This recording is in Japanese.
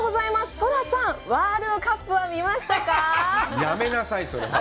ソラさん、ワールドカップは見ましたかあ？